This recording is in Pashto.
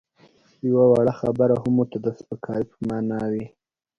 یوه وړه خبره هم ورته د سپکاوي په مانا وي.